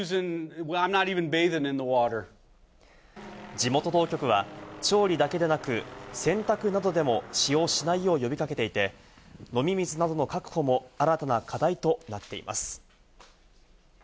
地元当局は調理だけでなく、洗濯などでも使用しないよう呼び掛けていて、飲み水などの確保も新たな課題となっています。